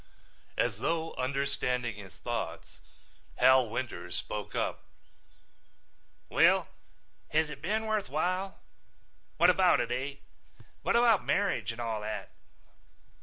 As though understanding his thoughts, Hal Winters spoke up. "Well, has it been worth while? What about it, eh? What about marriage and all that?"